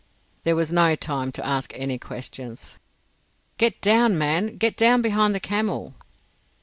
There was no time to ask any questions. "Get down, man! Get down behind the camel!"